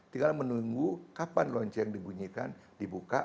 tinggal menunggu kapan lonceng dibunyikan dibuka